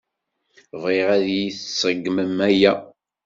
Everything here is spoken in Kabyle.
Bɣiɣ ad iyi-tṣeggmem aya.